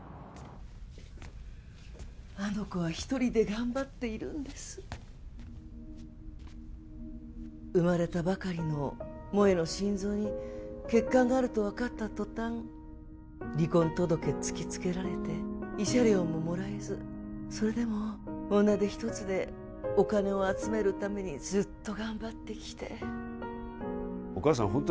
あの子は一人で頑張っているんです生まれたばかりの萌の心臓に欠陥があると分かったとたん離婚届突きつけられて慰謝料ももらえずそれでも女手ひとつでお金を集めるためにずっと頑張ってきてお母さん